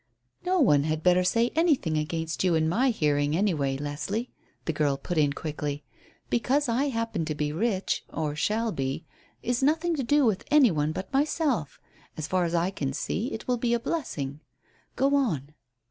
"No one had better say anything against you in my hearing, anyway, Leslie," the girl put in quickly. "Because I happen to be rich or shall be is nothing to do with any one but myself. As far as I can see it will be a blessing. Go on."